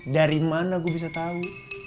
dari mana gue bisa tahu